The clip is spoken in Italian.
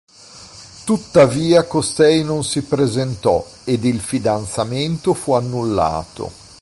Tuttavia costei non si presentò ed il fidanzamento fu annullato.